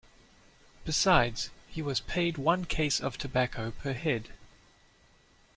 Besides, he was paid one case of tobacco per head.